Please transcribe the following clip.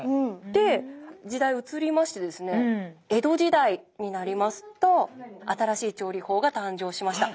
で時代移りましてですね江戸時代になりますと新しい調理法が誕生しました。